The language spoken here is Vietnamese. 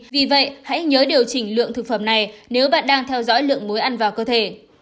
vì vậy hãy nhớ điều chỉnh lượng thực phẩm này nếu bạn đang theo dõi lượng muối ăn vào cơ thể